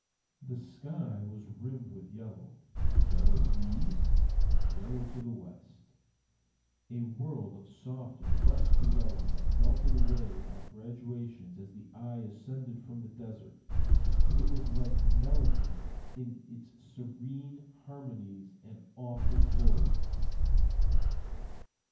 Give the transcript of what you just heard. The sky was rimmed with yellow; yellow to the east, yellow to the west; a world of soft and restful yellow that melted away by gradations as the eye ascended from the desert. It was like melody in its serene harmonies and awful glory.